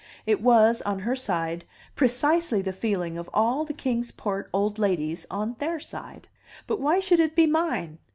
It was on her side precisely the feeling of all the Kings Port old ladies on Heir side. But why should it be mine?